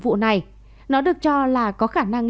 vụ này nó được cho là có khả năng